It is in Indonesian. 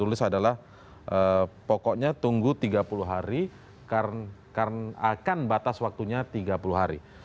tulis adalah pokoknya tunggu tiga puluh hari akan batas waktunya tiga puluh hari